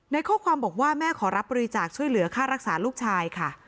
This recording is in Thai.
ในข้อความบอกว่าแม่ขอรับบริจาคช่วยเหลือค่ารักษาลูกชายค่ะ